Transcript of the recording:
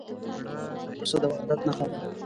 پسه د وحدت نښه ده.